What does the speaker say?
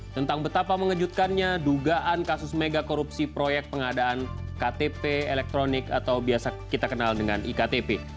tentang betapa mengejutkannya dugaan kasus mega korupsi proyek pengadaan ktp elektronik atau biasa kita kenal dengan iktp